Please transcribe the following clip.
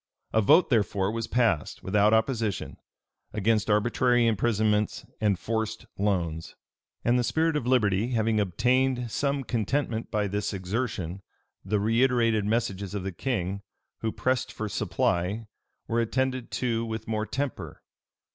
A vote, therefore, was passed, without opposition, against arbitrary imprisonments and forced loans.[] And the spirit of liberty having obtained some contentment by this exertion, the reiterated messages of the king, who pressed for supply, were attended to with more temper.